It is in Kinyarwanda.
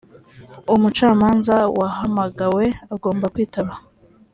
umucamanza wahamagawe agomba kwitaba.